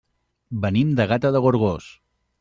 Venim de Gata de Gorgos.